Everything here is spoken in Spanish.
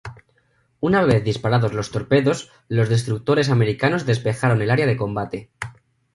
Una vez disparados los torpedos, los destructores americanos despejaron el área de combate.